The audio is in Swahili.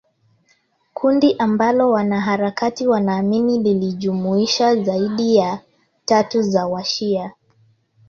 kundi ambalo wanaharakati wanaamini lilijumuisha zaidi ya tatu za washia